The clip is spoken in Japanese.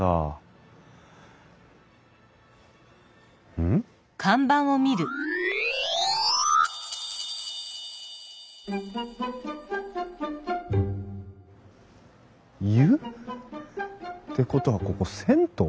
うん？湯？ってことはここ銭湯？